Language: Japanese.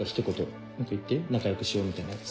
何か言って「仲良くしよう」みたいなやつ。